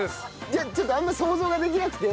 ちょっとあんまり想像ができなくて。